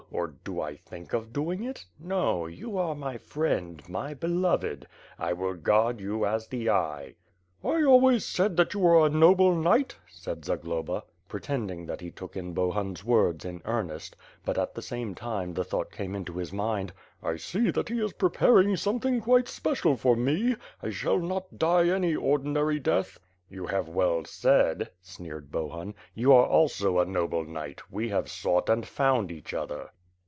or do I think of doing it? No, you are my friend, my beloved. I will guard you as the eye." "I always said that you were a noble knight," said Zagloba, 31 481 482 WI'^B FIRE AND SWORD. pretending that he took Bohun's words in earnest; but at the same time the thought came into his mind, "I see that he is preparing something quite special for me. I shall not die any ordinary death."' "You have well said," sneered Bohun, "you are also a noble knight, we have sought and found each other."